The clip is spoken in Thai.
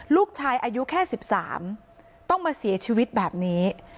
ลูกชายอายุแค่๑๓ต้องมาเสียชีวิตแบบนี้